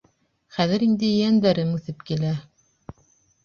Хәҙер инде ейәндәрем үҫеп килә.